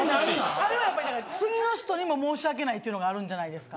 あれはやっぱり次の人にも申し訳ないっていうのがあるんじゃないですか。